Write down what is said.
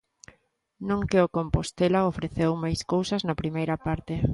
No que o Compostela ofreceu máis cousas na primeira parte.